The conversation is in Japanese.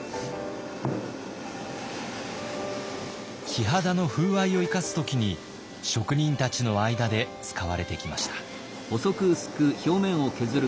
木肌の風合いを生かす時に職人たちの間で使われてきました。